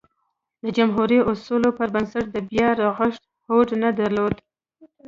د جمهوري اصولو پربنسټ د بیا رغښت هوډ نه درلود.